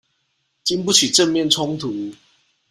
禁不起正面衝突